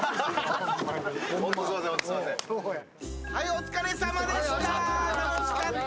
お疲れさまでした。